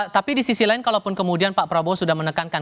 tapi di sisi lain kalaupun kemudian pak prabowo sudah menekankan